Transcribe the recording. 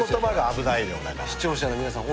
視聴者の皆さん